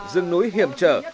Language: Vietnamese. dương núi hiểm trở